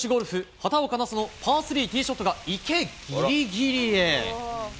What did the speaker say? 畑岡奈紗のパー３ティーショットが池ぎりぎりへ。